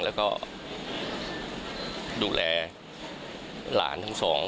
แล้วก็ดูแลหลานทั้งสอง